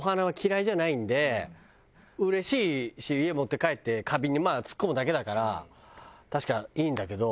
うれしいし家持って帰って花瓶に突っ込むだけだから確かいいんだけど。